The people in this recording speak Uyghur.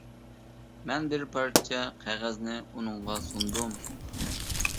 مەن بىر پارچە قەغەزنى ئۇنىڭغا سۇندۇم.